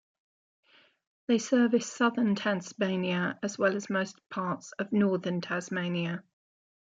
They service Southern Tasmania as well as most parts of Northern Tasmania.